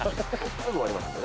すぐ終わりますんでね。